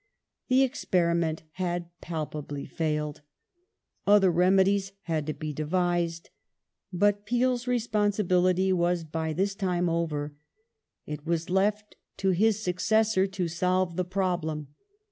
The experiment had palpably failed : other remedies had to be devised ; but Peel's responsibility was by this time over ; it was left to his successor to solve the problem.